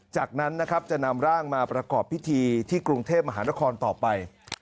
จากนั้นนะครับจะนำร่างมาประกอบพิธีที่กรุงเทพมหานครต่อไป